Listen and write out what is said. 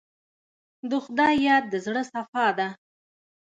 د خدای یاد د زړه صفا ده.